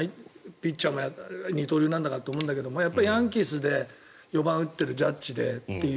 ピッチャーも、二刀流なんだからやっぱりヤンキースで４番を打っているジャッジでっていう。